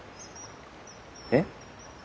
えっ？